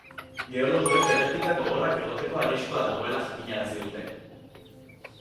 Geologoek erreplika gogorrak egoteko arriskua dagoela jakinarazi dute.